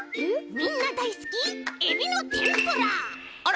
みんなだいすきエビのてんぷら！